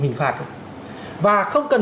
hình phạt và không cần